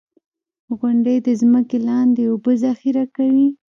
• غونډۍ د ځمکې لاندې اوبه ذخېره کوي.